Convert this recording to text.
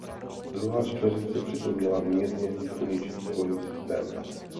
Druhá čtveřice přitom měla mírně výkonnější pohonný systém.